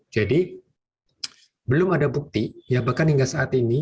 jadi belum ada bukti ya bahkan hingga saat ini